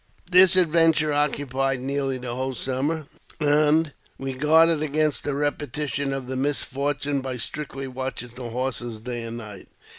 This adventure occupied nearly the whole summer ; and we guarded against a repeti tion of the misfortune by strictly watching the horses day and night.